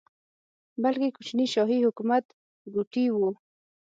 بلکې کوچني شاهي حکومت ګوټي وو.